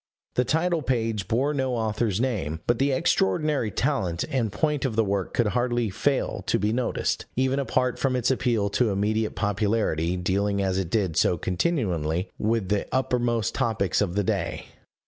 The title page bore no author's name; but the extraordinary talent and point of the work could hardly fail to be noticed, even apart from its appeal to immediate popularity, dealing as it did so continually with the uppermost topics of the day.